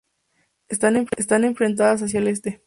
Están enfrentadas hacia el este.